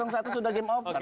satu sudah game over